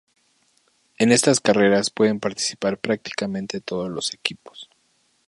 En estas carreras pueden participar prácticamente todos los equipos.